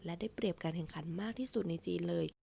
และได้เปรียบการแข่งขันมากที่สุดในจีนเลย